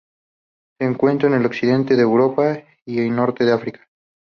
Se encuentra en el occidente de Europa y Norte de África.